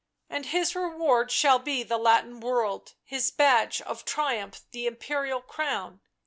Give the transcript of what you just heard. And his reward shall be the Latin world, his badge of triumph the Imperial crown.